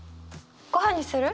ごはんにする？